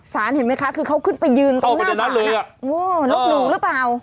ศาลเห็นไหมคะคือเขาขึ้นไปยืนตรงหน้าศาลค่ะโอ้โหลบหลุงหรือเปล่า